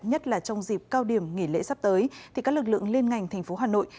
nhất là trong dịp cao điểm nghỉ lễ sắp tới thì các lực lượng liên ngành thành phố hà nội